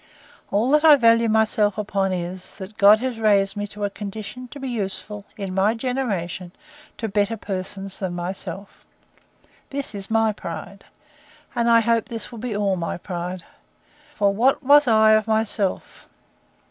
All that I value myself upon, is, that God has raised me to a condition to be useful, in my generation, to better persons than myself. This is my pride: And I hope this will be all my pride. For what was I of myself!